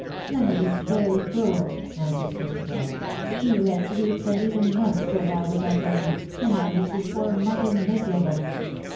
'"'" Leonard is very cruel," answered Christabel ;" he lets weeks and even months go by without writing, and that makes his poor mother miserable.